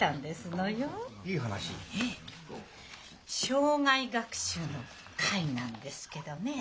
生涯学習の会なんですけどね。